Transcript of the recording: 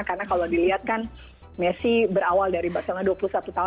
karena kalau dilihat kan messi berawal dari barcelona dua puluh satu tahun